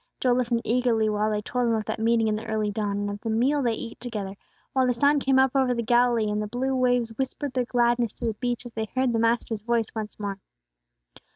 Joel listened eagerly while they told him of that meeting in the early dawn, and of the meal they ate together, while the sun came up over the Galilee, and the blue waves whispered their gladness to the beach, as they heard the Master's voice once more.